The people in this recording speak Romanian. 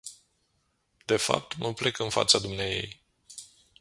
De fapt, mă plec în fața dumneaei.